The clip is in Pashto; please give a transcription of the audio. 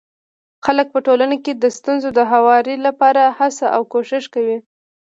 خلک په ټولنه کي د ستونزو د هواري لپاره هڅه او کوښښ کوي.